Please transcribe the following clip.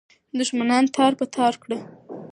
دښمنان تار په تار کړه.